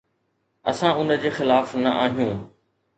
اسان ان جي خلاف نه آهيون.